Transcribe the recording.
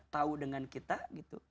tahu dengan kita gitu